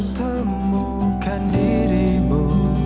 belum kutemukan dirimu